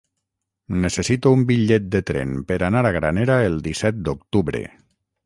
Necessito un bitllet de tren per anar a Granera el disset d'octubre.